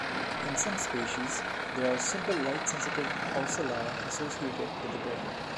In some species, there are simple light-sensitive ocelli associated with the brain.